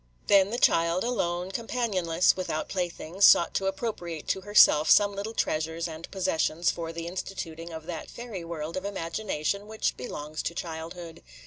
Then the child, alone, companionless, without playthings, sought to appropriate to herself some little treasures and possessions for the instituting of that fairy world of imagination which belongs to childhood.